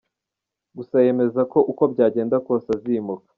Gusa yemeza ko uko byagenda kose izimuka.